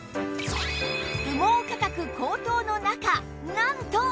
羽毛価格高騰の中なんと